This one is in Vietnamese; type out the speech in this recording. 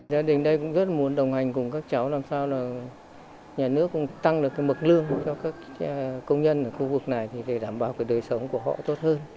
gia đình đây cũng rất muốn đồng hành cùng các cháu làm sao là nhà nước cũng tăng được mực lương cho các công nhân ở khu vực này để đảm bảo đời sống của họ tốt hơn